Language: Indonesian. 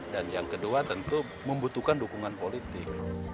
dan yang kedua tentu membutuhkan dukungan politik